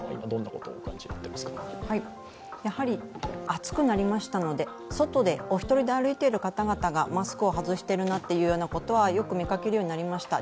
暑くなりましたので、外でお一人で歩いている方々がマスクを外しているなってことはよく見かけるようになりました。